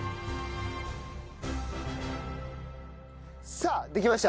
さあできました。